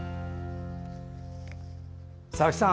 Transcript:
佐々木さん